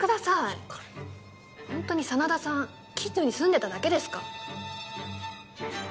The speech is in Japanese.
しっかりホントに真田さん近所に住んでただけですか？